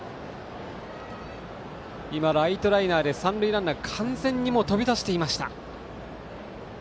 ライトライナーで三塁ランナーは完全に飛び出していました。